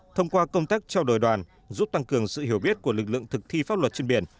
thông qua công tác trao đổi đoàn giúp tăng cường sự hiểu biết của lực lượng thực thi pháp luật trên biển